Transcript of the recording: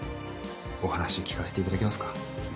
お話聞かせていただけますか？